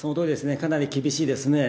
かなり厳しいですね。